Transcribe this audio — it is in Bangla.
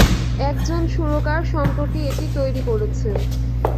একজন সুরকার সম্প্রতি এটি তৈরী করেছেন।